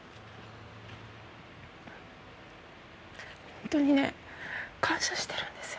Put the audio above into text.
ホントにね感謝してるんですよ